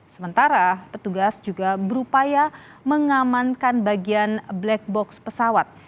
sementara petugas juga berupaya mengamankan bagian black box pesawat